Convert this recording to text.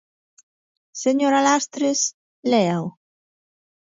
Señora Lastres, léao.